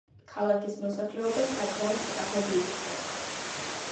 ქალაქის მოსახლეობა საკმაოდ სწრაფად იზრდება.